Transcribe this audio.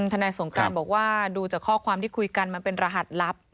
ทนายสงกรานบอกว่าดูจากข้อความที่คุยกันมันเป็นรหัสลับ